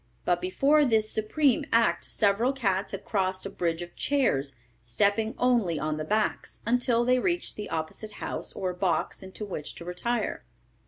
But before this supreme act several cats had crossed a bridge of chairs, stepping only on the backs, until they reached the opposite house or box into which to retire.